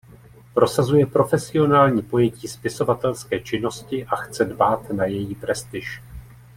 Prosazuje profesionální pojetí spisovatelské činnosti a chce dbát na její prestiž.